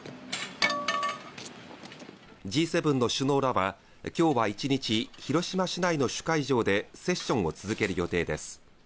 Ｇ７の首脳らは今日は１日、広島市内の主会場でセッションを続ける予定です。